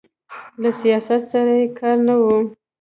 له سیاست سره یې کار نه و.